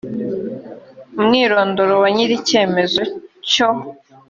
umwirondoro wa nyir icyemezo cyo